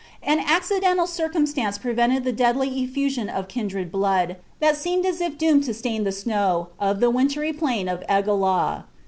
An accidental circumstance prevented the deadly efTusion of kindred blood, that seemed as if doomed to stain the snows of the wintry plain of i^aw.